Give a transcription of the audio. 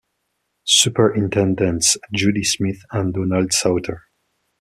Superintendents Judy Smith and Donald Sauter.